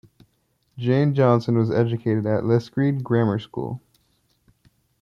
Jane Johnson was educated at Liskeard Grammar School.